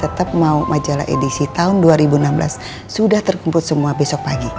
tetap mau majalah edisi tahun dua ribu enam belas sudah terkumpul semua besok pagi